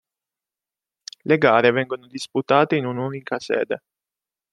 Le gare vengono disputate in un'unica sede.